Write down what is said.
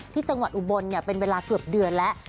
จังหวัดอุบลเป็นเวลาเกือบเดือนแล้ว